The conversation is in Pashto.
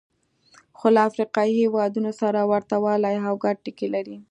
خو له افریقایي هېوادونو سره ورته والی او ګډ ټکي لري.